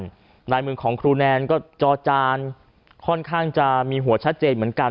ส่วนขวาจอเป็นลายมือของครูเอ็มซึ่งไม่เหมือนกัน